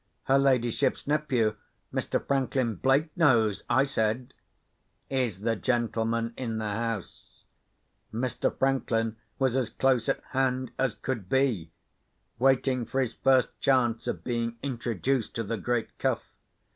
"Her ladyship's nephew, Mr. Franklin Blake, knows," I said. "Is the gentleman in the house?" Mr. Franklin was as close at hand as could be—waiting for his first chance of being introduced to the great Cuff.